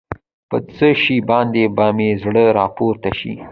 په څه شي باندې به مې زړه راپورته شي.